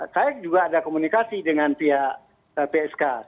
saya juga ada komunikasi dengan pihak lpsk